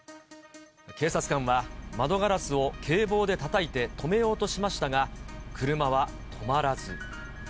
警察官は窓ガラスを警棒でたたいて止めようとしましたが、車は止まらず。